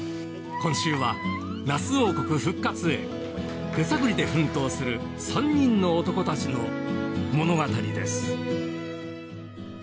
今週はナス王国復活へ手探りで奮闘する３人の男たちの物語です。